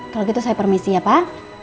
kalau gitu saya permisi ya pak